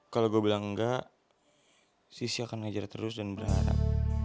kalau gue bilang enggak sisi akan mengajar terus dan berharap